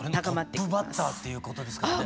それもトップバッターっていうことですからね。